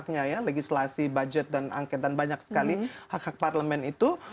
haknya ya legislasi budget dan angket dan banyak sekali hak hak parlemen itu